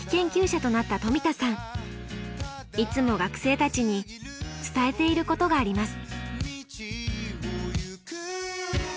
いつも学生たちに伝えていることがあります。